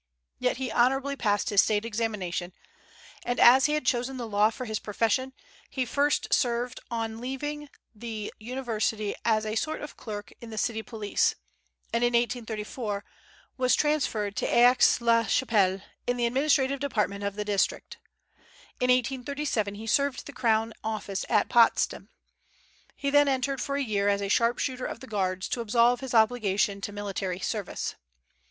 Yet he honorably passed his State examination; and as he had chosen the law for his profession, he first served on leaving the university as a sort of clerk in the city police, and in 1834 was transferred to Aix la Chapelle, in the administrative department of the district. In 1837 he served in the crown office at Potsdam. He then entered for a year as a sharpshooter of the Guards, to absolve his obligation to military service.